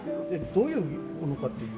どういうものかっていうと。